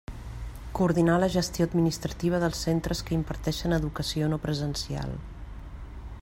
Coordinar la gestió administrativa dels centres que imparteixen educació no presencial.